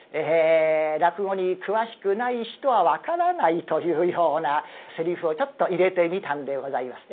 落語に詳しくない人は分からないというようなセリフをちょっと入れてみたんでございます。